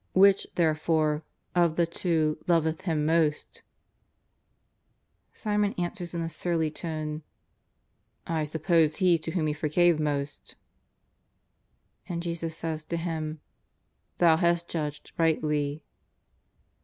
Which, therefore, of the two loveth him most ?" Simon answers in a surly tone :" I suppose he to whom he forgave most." And Jesus says to him : "Thou hast judged rightly."